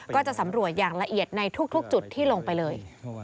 ก็จะสำรวจอย่างละเอียดในทุกจุดที่ลงไปเลย